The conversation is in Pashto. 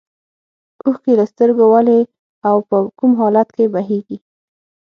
اوښکې له سترګو ولې او په کوم حالت کې بهیږي.